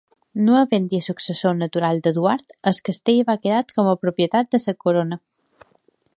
No havent-hi successor natural d'Eduard, el castell va quedar com a propietat de la corona.